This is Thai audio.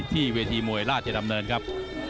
เวทีมวยราชดำเนินครับ